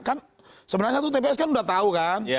kan sebenarnya satu tps kan sudah tahu kan